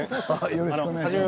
よろしくお願いします。